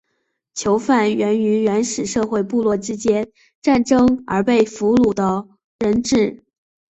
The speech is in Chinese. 囚犯源于原始社会部落之间战争而被俘虏的人质。